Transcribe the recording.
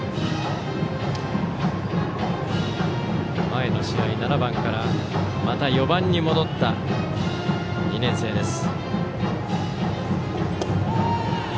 前の試合、７番からまた４番に戻った２年生です。